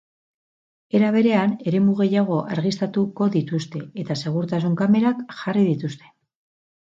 Era berean, eremu gehiago argiztatuko dituzte, eta segurtasun kamerak jarri dituzte.